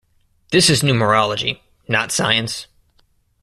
This is numerology, not science.